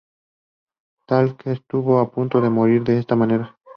Teal'c estuvo a punto de morir de esta manera.